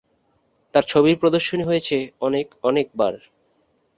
তার ছবির প্রদর্শনী হয়েছে অনেক অনেকবার।